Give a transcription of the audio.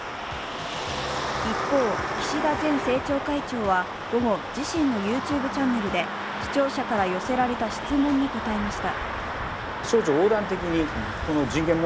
一方、岸田前政調会長は午後、自身のＹｏｕＴｕｂｅチャンネルで、視聴者から寄せられた質問に答えました。